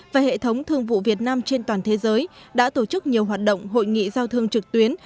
và hệ thống thương vụ việt nam trên toàn thế giới đã tổ chức nhiều hoạt động hội nghị giao thương trực tuyến